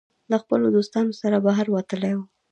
د خپلو دوستانو سره بهر وتلی وو